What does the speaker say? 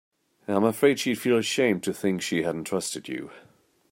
I'm afraid she'd feel ashamed to think she hadn't trusted you.